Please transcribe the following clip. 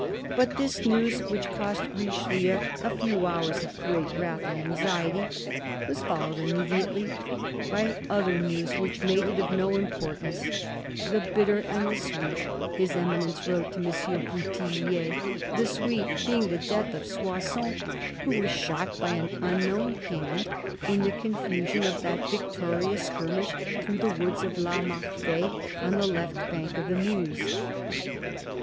But this news, which cost Richelieu a few hours of great wrath and anxiety, was followed immediately by other news which made it of no importance :" the bitter and the sweet," His Eminence wrote to M. Bouthillier — "the sweet " being the death of Soissons, who was shot by an unknown hand in the confusion of that victorious skirmish through the woods of La Marfee, on the left bank of the Meuse.